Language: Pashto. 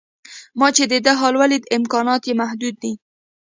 ما چې د ده حال ولید امکانات یې محدود دي.